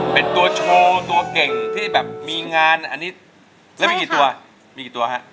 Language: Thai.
เป็นตัวโชว์ตัวเก่งที่แบบมีงานอันนี้แล้วมีกี่ตัวมีกี่ตัวฮะ